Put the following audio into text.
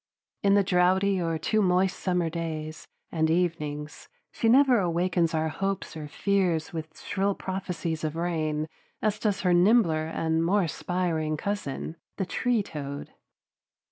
In the drouthy or too moist summer days and evenings, she never awakens our hopes or fears with shrill prophecies of rain as does her nimbler and more aspiring cousin, the tree toad.